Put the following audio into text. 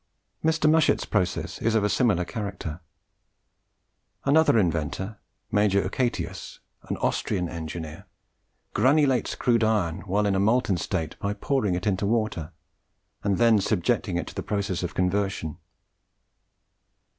Mr. Mushet's process is of a similar character. Another inventor, Major Uchatius, an Austrian engineer, granulates crude iron while in a molten state by pouring it into water, and then subjecting it to the process of conversion.